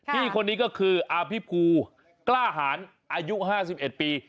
พี่คนนี้ก็คืออภิภูกล้าหารอายุ๕๑ปี